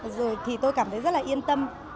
rồi thì tôi cảm thấy rất là yên tâm